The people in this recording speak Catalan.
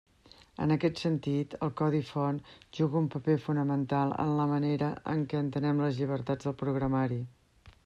En aquest sentit, el codi font juga un paper fonamental en la manera en què entenem les llibertats del programari.